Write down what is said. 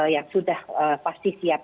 yang sudah pasti siap